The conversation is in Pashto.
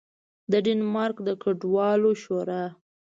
د ډنمارک د کډوالو شورا